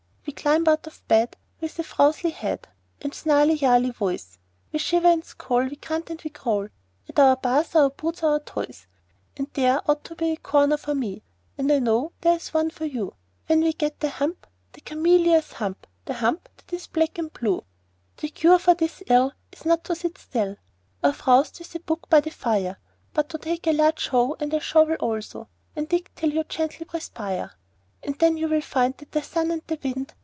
We climb out of bed with a frouzly head And a snarly yarly voice. We shiver and scowl and we grunt and we growl At our bath and our boots and our toys; And there ought to be a corner for me (And I know there is one for you) When we get the hump Cameelious hump The hump that is black and blue! The cure for this ill is not to sit still, Or frowst with a book by the fire; But to take a large hoe and a shovel also, And dig till you gently perspire; And then you will find that the sun and the wind.